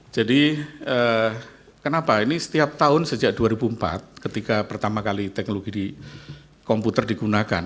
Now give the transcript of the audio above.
jadi kenapa ini setiap tahun sejak dua ribu empat ketika pertama kali teknologi di komputer digunakan